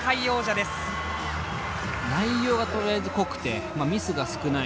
内容がとりあえず濃くてミスが少ない。